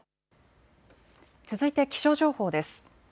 続いて気象情報です。